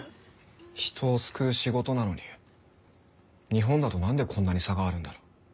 人を救う仕事なのに日本だとなんでこんなに差があるんだろう。